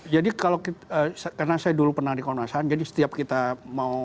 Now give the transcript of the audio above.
jadi karena saya dulu pernah dikonosan jadi setiap kita mau